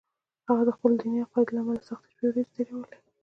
هغه د خپلو دیني عقایدو له امله سختې شپې ورځې تېرولې